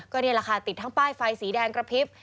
นี่แหละค่ะติดทั้งป้ายไฟสีแดงกระพริบ